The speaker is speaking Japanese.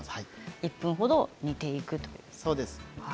１分ほど煮ていくと。